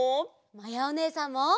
まやおねえさんも！